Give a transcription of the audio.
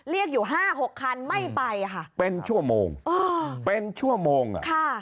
เรียกอยู่๕๖คันไม่ไปค่ะเป็นชั่วโมง